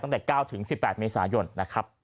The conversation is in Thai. ตั้งแต่๙๑๘เมษายนนะครับ